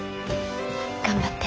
頑張って。